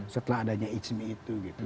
setelah adanya ijmi itu gitu